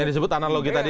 yang disebut analogi tadi